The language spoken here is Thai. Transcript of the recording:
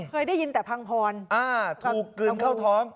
เคยได้ยินแต่พังพรอ่าถูกกลืนเข้าท้อง